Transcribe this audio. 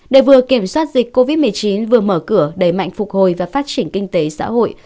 để vừa kiểm soát dịch covid một mươi chín vừa mở cửa đẩy mạnh phục hồi và phát triển kinh tế xã hội